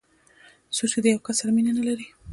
څوک چې د یو کس سره مینه نه لري.